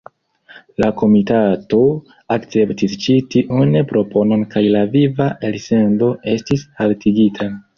La komitato akceptis ĉi tiun proponon kaj la viva elsendo estis haltigita.